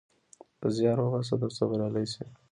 زيار وباسه ترڅو بريالی سې